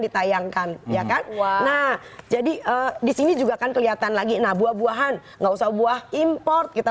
ditayangkan ya kan nah jadi disini juga akan kelihatan lagi nah buah buahan enggak usah buah import kita